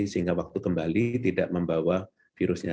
sehingga waktu kembali tidak membawa virusnya